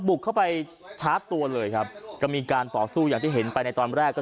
บุกเข้าไปชาร์จตัวเลยครับก็มีการต่อสู้อย่างที่เห็นไปในตอนแรกก็